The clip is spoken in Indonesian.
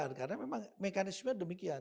karena memang mekanisme demikian